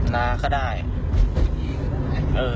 นาเขาได้